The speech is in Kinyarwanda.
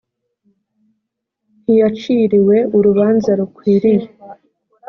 ntiyaciriwe urubanza rukwiriye